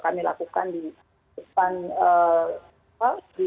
kami lakukan di pasung pudang